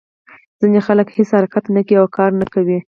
ځینې خلک هېڅ حرکت نه کوي او کار نه کوي.